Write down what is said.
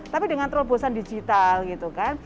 tapi dengan terobosan digital gitu kan